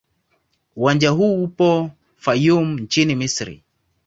Uwanja huu upo Fayoum nchini Misri.